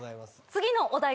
次のお題